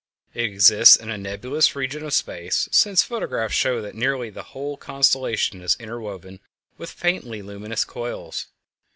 It exists in a nebulous region of space, since photographs show that nearly the whole constellation is interwoven with faintly luminous coils.